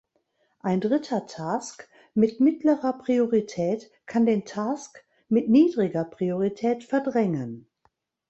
Ein dritter Task mit mittlerer Priorität kann den Task mit niedriger Priorität verdrängen.